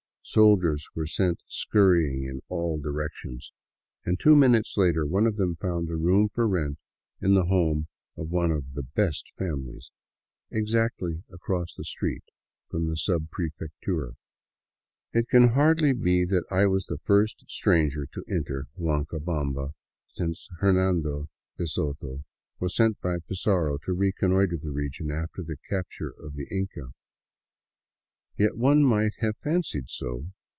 .! Soldiers were sent scurrying in all directions — and two minutes later one of them found a room for rent in the home of one of the " best families," exactly across the street from the subprefectura. It can hardly be that I was the first stranger to enter Huancabamba since Hernando de Soto was sent by Pizarro to reconnoiter the region after the capture of the Inca. Yet one might have fancied so.